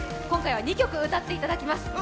今回は２曲歌っていただきます。